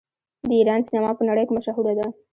د ایران سینما په نړۍ کې مشهوره ده.